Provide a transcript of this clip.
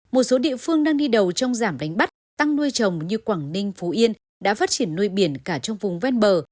một số địa phương đang đi đầu trong giảm đánh bắt tăng nuôi trồng như quảng ninh phú yên đã phát triển nuôi biển cả trong vùng ven bờ